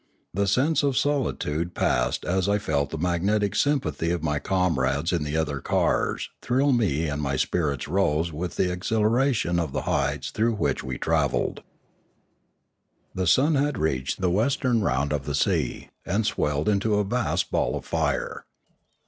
The sense of solitude passed as I felt the magnetic sympathy of my comrades in the other cars thrill me and my spirits rose with the exhilaration of the heights through which we travelled. 638 Limanora The sun had reached the western round of the sea, and swelled into a vast ball of fire.